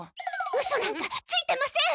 うそなんかついてません。